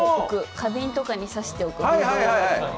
花瓶とかにさしておく。